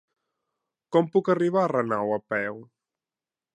Com puc arribar a Renau a peu?